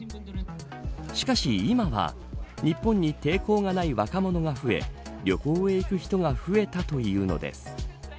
しかし、今は日本に抵抗がない若者が増え旅行へ行く人が増えたというのです。